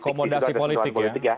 akomodasi politik ya